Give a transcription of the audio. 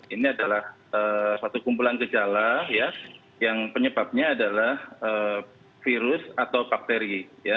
ini adalah satu kumpulan gejala yang penyebabnya adalah virus atau bakteri